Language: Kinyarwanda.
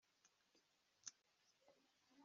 ku cyumweru barabiranga.